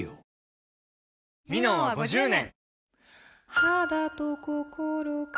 「ミノン」は５０年！